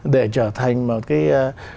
để trở thành một cái